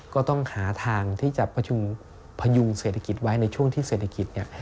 ก็ต้องหาทางที่จะพยุงเศรษฐกิจไว้ในช่วงที่เศรษฐกิจเนี่ย